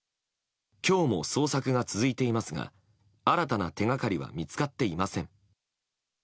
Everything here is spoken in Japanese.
今日も捜索が続いていますが新たな手掛かりは見つかっていません。